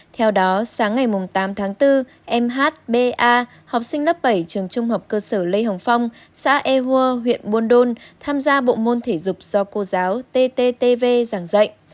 theo đó sáng ngày tám tháng bốn mhba học sinh lớp bảy trường trung học cơ sở lê hồng phong xã ehua huyện buôn đôn tham gia bộ môn thể dục do cô giáo tttv giảng dạy